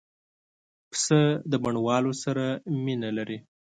پسه د بڼوالو سره مینه لري.